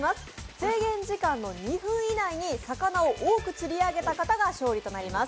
制限時間の２分以内に魚を多く釣り上げた方が勝利となります。